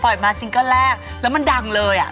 ปล่อยมาซิงเกอร์แรกแล้วมันดังเลยอ่ะ